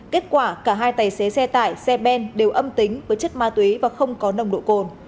kết quả cả hai tài xế xe tải xe ben đều âm tính với chất ma túy và không có nồng độ cồn